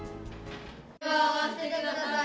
手を合わせてください。